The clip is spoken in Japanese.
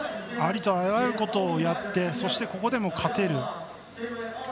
ありとあらゆることをやってここでも勝てる。